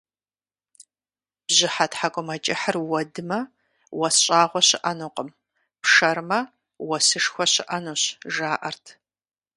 Бжьыхьэ тхьэкӀумэкӀыхьыр уэдмэ, уэс щӀагъуэ щыӀэнукъым, пшэрмэ, уэсышхуэ щыӀэнущ, жаӀэрт.